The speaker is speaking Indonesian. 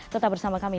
tetap bersama kami